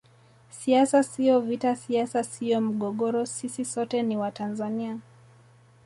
Siasa sio vita siasa sio mgogoro sisi sote ni Watanzania